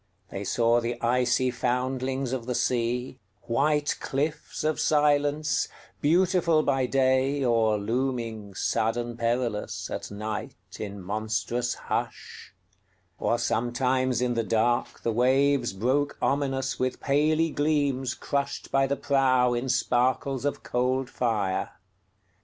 They saw the icy foundlings of the sea, White cliffs of silence, beautiful by day, Or looming, sudden perilous, at nightIn monstrous hush; or sometimes in the darkThe waves broke ominous with paly gleamsCrushed by the prow in sparkles of cold fire.